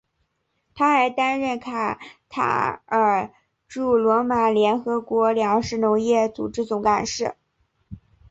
他还担任卡塔尔驻罗马联合国粮食农业组织总干事。